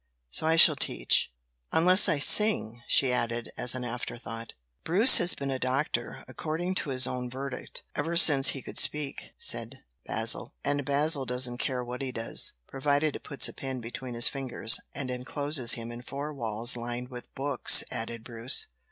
So I shall teach. Unless I sing," she added, as an after thought. "Bruce has been a doctor, according to his own verdict, ever since he could speak," said Basil. "And Basil doesn't care what he does, provided it puts a pen between his fingers, and encloses him in four walls lined with books," added Bruce.